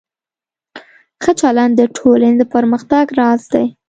ښه چلند د ټولنې د پرمختګ راز دی.